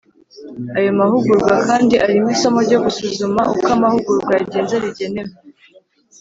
Aya mahugurwa kandi arimo isomo ryo gusuzuma uko amahugurwa yagenze rigenewe